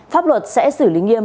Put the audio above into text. pháp luật sẽ xử lý nghiêm